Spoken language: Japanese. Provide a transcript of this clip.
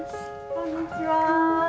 こんにちは。